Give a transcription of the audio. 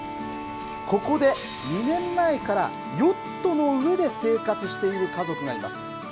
ここで２年前からヨットの上で生活している家族がいます。